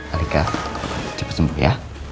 alika cepet sembuh ya